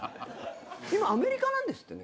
今アメリカなんですってね。